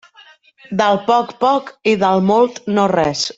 Del poc, poc, i del molt, no res.